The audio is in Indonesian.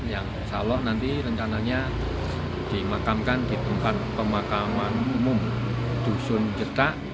yang salok nanti rencananya dimakamkan di tempat pemakaman umum dusun jeta